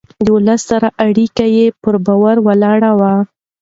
د ولس سره اړيکه يې پر باور ولاړه وه.